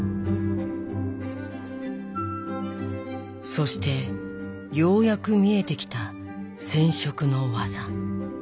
そしてようやく見えてきた染色の技。